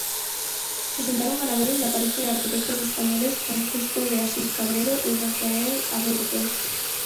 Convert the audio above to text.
Resultaron ganadores la pareja de arquitectos españoles Francisco de Asís Cabrero y Rafael Aburto.